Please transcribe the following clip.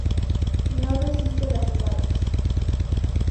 No resiste las heladas.